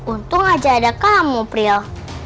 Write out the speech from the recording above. untung aja ada kamu prio